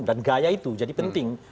dan gaya itu jadi penting